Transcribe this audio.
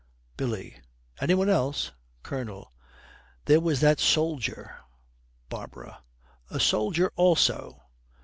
BILLY. 'Any one else?' COLONEL. 'There was that soldier.' BARBARA. 'A soldier also!'